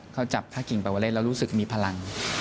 เขาจับท่ากิ่งปวเรศแล้วรู้สึกมีพลัง